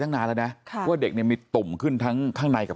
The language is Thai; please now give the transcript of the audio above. นานแล้วนะว่าเด็กเนี่ยมีตุ่มขึ้นทั้งข้างในกับ